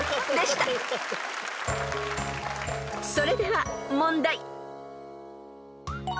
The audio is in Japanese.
［それでは問題］